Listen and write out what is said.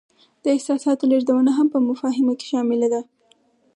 د احساساتو لیږدونه هم په مفاهمه کې شامله ده.